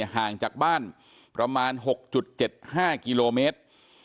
ห่างจากบ้านประมาณ๖๗๕กิโลเมตร